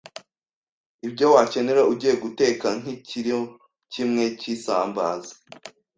ibyo wakenera ugiye guteka nk’ikiro kimwe cy’isambaza